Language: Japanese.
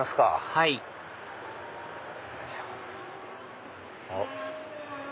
はいあっ。